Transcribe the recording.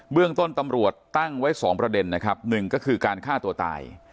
เรื่องต้นตำรวจตั้งไว้๒ประเด็นนะครับหนึ่งก็คือการฆ่าตัวตาย